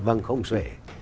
vâng không xuể